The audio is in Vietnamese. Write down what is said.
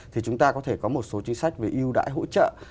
thì chúng ta có thể có một số chính sách về ưu đãi hỗ trợ